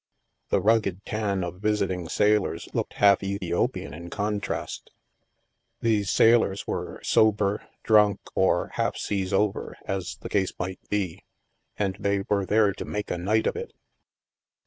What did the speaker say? The rugged tan of visiting sailors looked half Ethiopian, in contrast. These sailors were sober, drunk, or half seas over, as the case might be, and they were there to make a night of it.